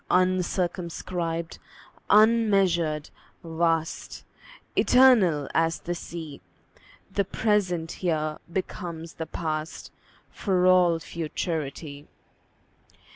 Uncircumscribed, unmeasured, vast, Eternal as the Sea, The present here becomes the past, For all futurity.